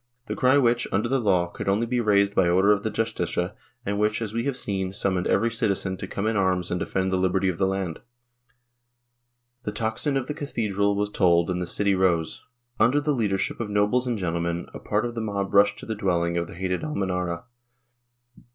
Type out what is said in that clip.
— the cry which, under the law, could only be raised by order of the Justicia and which, as we have seen, summoned every citizen to come in arms and defend the liberty of the land. The tocsin of the cathedral was tolled and the city rose. Under the leadership of nobles and gentlemen, a part of the mob rushed to the dwelling of the hated Almenara.